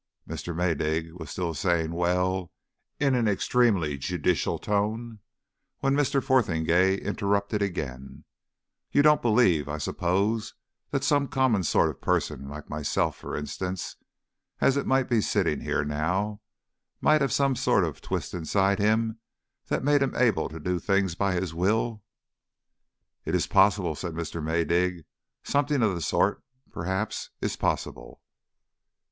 Mr. Maydig was still saying "Well" in an extremely judicial tone, when Mr. Fotheringay interrupted again: "You don't believe, I suppose, that some common sort of person like myself, for instance as it might be sitting here now, might have some sort of twist inside him that made him able to do things by his will." "It's possible," said Mr. Maydig. "Something of the sort, perhaps, is possible."